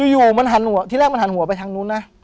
อยู่มันหันหัวที่แรกมันหันหัวไปทางนู้นนะ